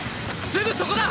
すぐそこだ！